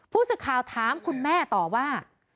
ผู้สื่อข่าวถามคุณแม่ต่อว่า